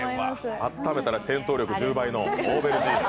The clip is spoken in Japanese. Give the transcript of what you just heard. あっためたら戦闘力１０倍のオーベルジーヌ。